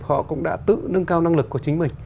họ cũng đã tự nâng cao năng lực của chính mình